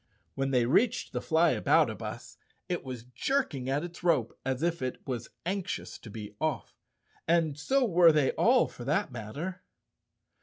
When they reached the Flyaboutabus, it was jerking at its rope as if it was anxious to be off, and so were they all for that matter.